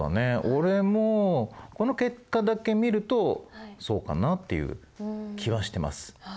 俺もこの結果だけ見るとそうかなっていう気はしてます。